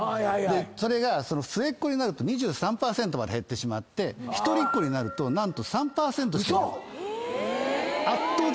でそれが末っ子になると２３％まで減ってしまって一人っ子になると何と３％しか圧倒的に少ないんですよ。